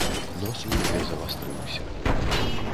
Нос у яе завастрыўся.